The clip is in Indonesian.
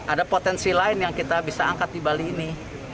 ada potensi lain yang kita bisa angkat di bali ini